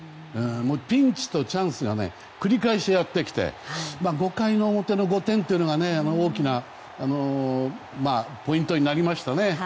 ピンチとチャンスが繰り返しやってきて５回の表の５点が大きなポイントになりましたね。